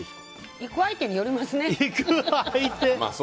行く相手によりますね。